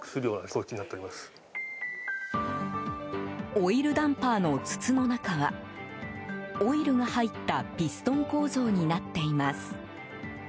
オイルダンパーの筒の中はオイルが入ったピストン構造になっています。